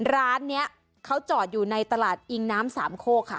ร้านนี้เขาจอดอยู่ในตลาดอิงน้ำสามโคกค่ะ